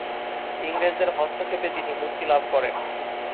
ইংরেজদের হস্তক্ষেপে তিনি মুক্তি লাভ করেন।